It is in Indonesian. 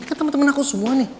ketemu temen aku semua nih